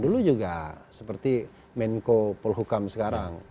dulu juga seperti menko polhukam sekarang